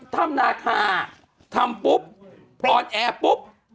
ถ้ำนาคาทำปุ๊บออนแอร์ปุ๊บ